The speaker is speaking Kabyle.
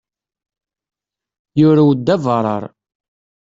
Yurew-d abarrar.